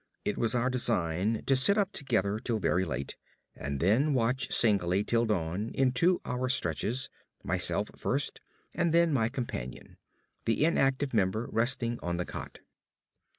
It was our design to sit up together till very late, and then watch singly till dawn in two hour stretches, myself first and then my companion; the inactive member resting on the cot.